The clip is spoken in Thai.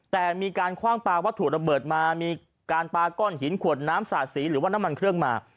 แต่มีการคว่างปลาวัตถุระเบิดมามีการปาก้อนหินขวดน้ำสาดสีหรือว่าน้ำมันเครื่องมา